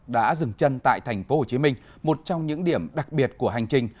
đã dừng chân tại thành phố hồ chí minh một trong những điểm đặc biệt của hành trình